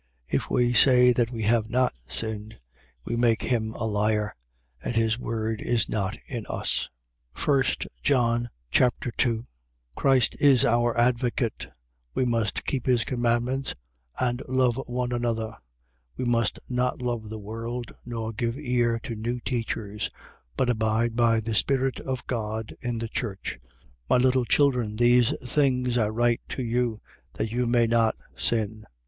If we say that we have not sinned, we make him a liar: and his word is not in us. 1 John Chapter 2 Christ is our advocate. We must keep his commandments and love one another. We must not love the world nor give ear to new teachers, but abide by the spirit of God in the church. 2:1. My little children, these things I write to you, that you may not sin.